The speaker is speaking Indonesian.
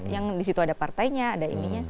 yang di situ ada partainya ada ininya